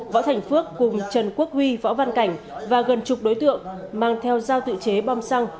võ thành phước cùng trần quốc huy võ văn cảnh và gần chục đối tượng mang theo giao tự chế bom xăng